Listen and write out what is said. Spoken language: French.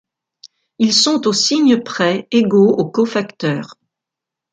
Ils sont au signe près égaux aux cofacteurs.